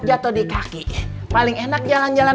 jatuh di kaki paling enak jalan jalan